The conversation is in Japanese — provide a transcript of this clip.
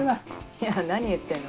いや何言ってんの。